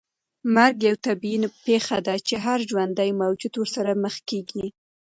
مرګ یوه طبیعي پېښه ده چې هر ژوندی موجود ورسره مخ کېږي.